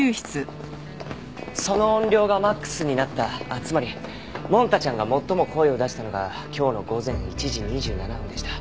その音量がマックスになったつまりモン太ちゃんが最も声を出したのが今日の午前１時２７分でした。